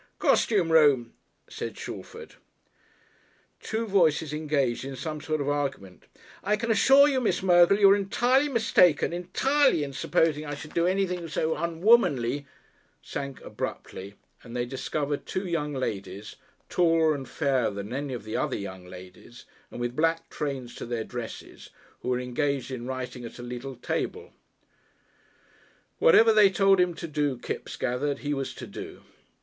"Costume room," said Shalford. Two voices engaged in some sort of argument "I can assure you, Miss Mergle, you are entirely mistaken entirely, in supposing I should do anything so unwomanly," sank abruptly, and they discovered two young ladies, taller and fairer than any of the other young ladies, and with black trains to their dresses, who were engaged in writing at a little table. Whatever they told him to do, Kipps gathered he was to do.